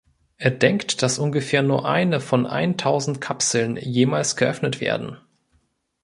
Er denkt, dass ungefähr nur eine von eintausend Kapseln jemals geöffnet werden.